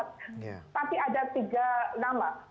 tapi ada tiga nama